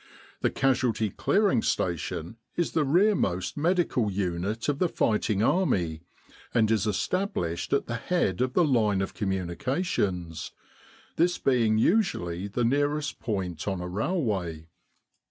The Casualty Clearing Station is the rearmost medical unit of the righting army, and is established at the head of the Line of Communications, this being usually the nearest point on a railway.